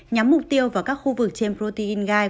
nhắm mục tiêu vào các khu vực trên protein gai